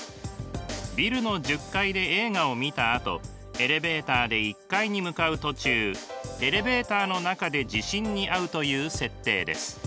ビルの１０階で映画を見たあとエレベーターで１階に向かう途中エレベーターの中で地震にあうという設定です。